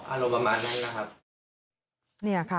อารมณ์ประมาณนั้นนะครับ